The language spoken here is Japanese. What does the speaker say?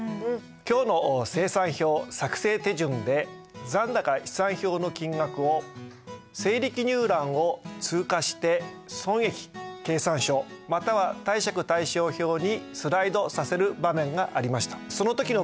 今日の精算表作成手順で残高試算表の金額を整理記入欄を通過して損益計算書または貸借対照表にスライドさせる場面がありました。